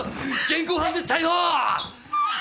現行犯で逮捕ー！